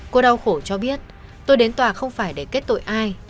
cô đau khổ cho biết tôi đến tòa không phải để kết tội ai